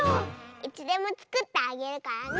いつでもつくってあげるからね！